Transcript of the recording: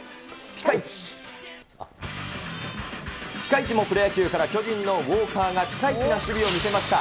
ピカイチもプロ野球から巨人のウォーカーがピカイチな守備を見せました。